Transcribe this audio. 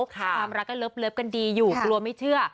ความรักก็เลิฟกันดีอยู่กลัวไม่เชื่อ